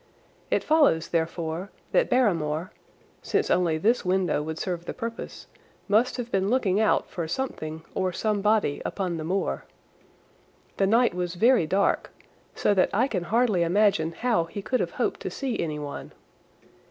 It follows, therefore, that Barrymore, since only this window would serve the purpose, must have been looking out for something or somebody upon the moor. The night was very dark, so that I can hardly imagine how he could have hoped to see anyone.